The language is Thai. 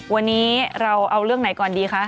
วันนี้เราเอาเรื่องไหนก่อนดีคะ